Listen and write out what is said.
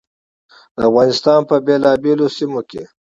د افغانستان په بېلابېلو سیمو کې.